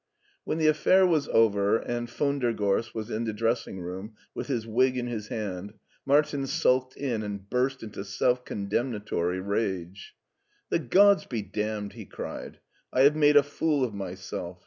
When the afifair was over, and von der Gorst was in the dressing room with his wig in his hand, Martin sulked in and burst into self condemnatory rage. " The gods be damned !" he cried ;" I have made a fool of myself.